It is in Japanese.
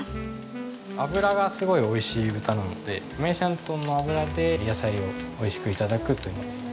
脂がすごい美味しい豚なので梅山豚の脂で野菜を美味しく頂くという。